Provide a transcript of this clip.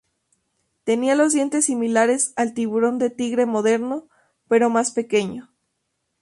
Tenía los dientes similares al tiburón de tigre moderno, pero más pequeño.